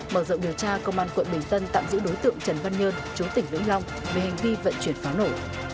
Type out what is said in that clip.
mở rộng điều tra công an quận bình tân tạm giữ đối tượng trần văn nhơn chú tỉnh vĩnh long về hành vi vận chuyển pháo nổ